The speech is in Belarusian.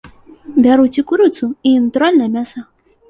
Бяруць і курыцу, і натуральнае мяса.